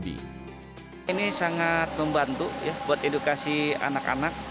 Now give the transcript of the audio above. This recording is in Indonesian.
ini sangat membantu buat edukasi anak anak